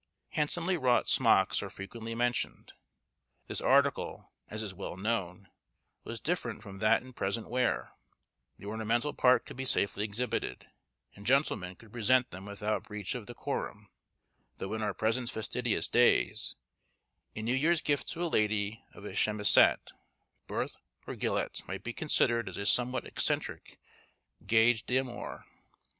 Handsomely wrought smocks are frequently mentioned. This article, as is well known, was different from that in present wear, the ornamental part could be safely exhibited, and gentlemen could present them without breach of decorum; though in our present fastidious days, a New Year's Gift to a lady of a chemisette, berthe, or gilêt, might be considered as a somewhat eccentric gage d'amour.